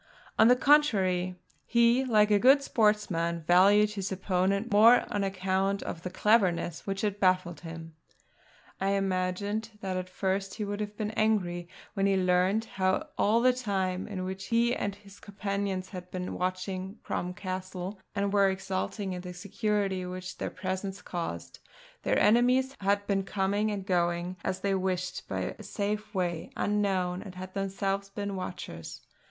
On the contrary, he, like a good sportsman, valued his opponent more on account of the cleverness which had baffled him. I imagined that at first he would have been angry when he learned how all the time in which he and his companions had been watching Crom Castle, and were exulting in the security which their presence caused, their enemies had been coming and going as they wished by a safe way, unknown; and had themselves been the watchers.